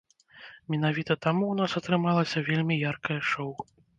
Менавіта таму ў нас атрымалася вельмі яркае шоў.